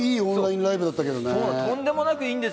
オンラインライブだったけどね。